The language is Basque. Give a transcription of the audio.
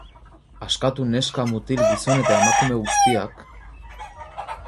Askatu neska, mutil, gizon eta emakume guztiak?